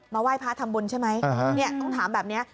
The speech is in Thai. มาไหว้พระธรรมบุญใช่ไหมเนี่ยต้องถามแบบนี้